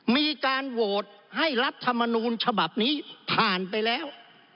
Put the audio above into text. มีการโหวตให้รัฐมนูลฉบับนี้ผ่านไปแล้ว